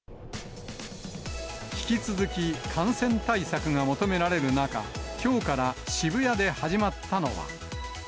引き続き感染対策が求められる中、きょうから渋谷で始まったのは。